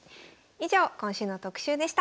以上今週の特集でした。